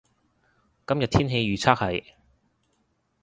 今日天氣預測係